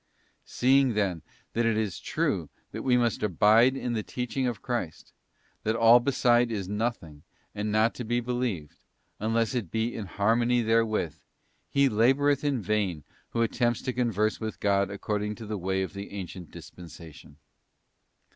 t Seeing, then, that it is true that we must abide in the teaching of Christ, that all beside is nothing and not to be believed, unless it be in harmony therewith, he laboureth in vain who attempts to converse with God according to the way of the ancient dispensation.